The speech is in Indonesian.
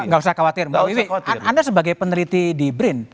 mbak wiwi anda sebagai peneliti di brin